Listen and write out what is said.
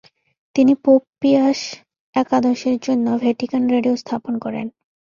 তিনি Pope Pius একাদশের জন্য ভ্যাটিকান রেডিও স্থাপন করেন।